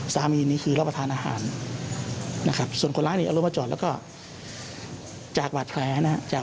สามีนี้คือเรามาทานอาหารนะครับส่วนคนร้ายร่วมมาจอกแล้วก็จากแผลนะจาก